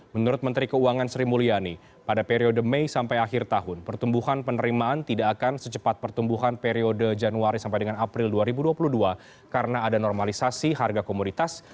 menurut menteri keuangan sri mulyani pada periode mei sampai akhir tahun pertumbuhan penerimaan tidak akan secepat pertumbuhan periode januari sampai dengan april dua ribu dua puluh dua karena ada normalisasi harga komoditas